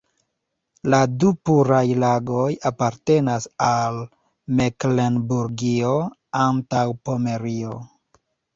La du puraj lagoj apartenas al Meklenburgio-Antaŭpomerio.